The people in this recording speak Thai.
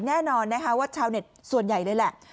แน่นอนนะคะว่าชาวเน็ตส่วนใหญ่เลยแหละ